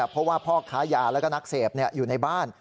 เพราะว่าพ่อค้ายาแล้วก็นักเสพอยู่ในบ้าน